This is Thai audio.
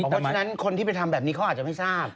เพราะฉะนั้นคนที่ไปทำแบบนี้เขาอาจจะไม่ทราบ